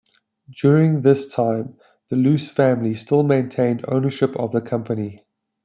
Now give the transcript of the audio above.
During this time, the Luce family still maintained ownership of the company.